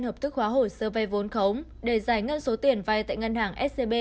hợp thức hóa hồ sơ vay vốn khống để giải ngân số tiền vay tại ngân hàng scb